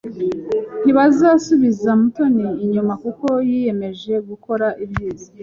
Ntibazasubiza Mutoni inyuma kuko yiyemeje gukora ibyiza.